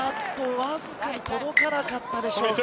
わずかに届かなかったでしょうか？